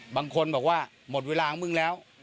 บางคนบอกว่าหมดเวลาของมึงแล้ว